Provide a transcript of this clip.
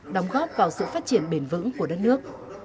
đóng góp vào sự phát triển bền vững của đất nước